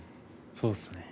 そうですね。